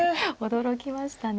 驚きましたね。